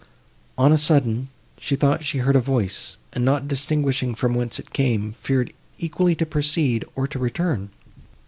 On a sudden, she thought she heard a voice, and, not distinguishing from whence it came, feared equally to proceed, or to return.